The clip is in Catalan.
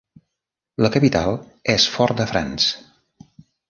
La capital és Fort-de-France.